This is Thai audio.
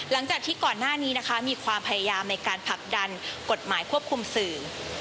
หลังจากที่ก่อนหน้านี้นะคะมีความพยายามในการผลักดันกฎหมายควบคุมสื่อ